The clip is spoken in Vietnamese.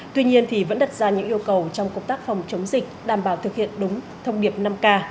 tuy nhiên vẫn đặt ra những yêu cầu trong công tác phòng chống dịch đảm bảo thực hiện đúng thông điệp năm k